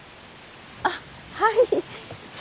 あっはい。